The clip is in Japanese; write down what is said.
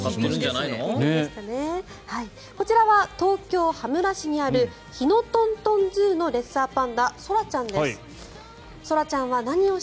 こちらは東京・羽村市にあるヒノトントンＺＯＯのレッサーパンダソラちゃんです。